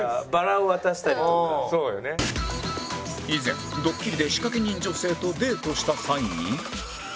以前ドッキリで仕掛け人女性とデートした際に